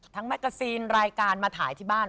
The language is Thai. แมกกาซีนรายการมาถ่ายที่บ้าน